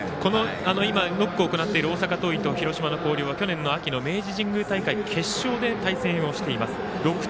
今、ノックを行っている大阪桐蔭は去年の秋の明治神宮大会の決勝で対戦をしています。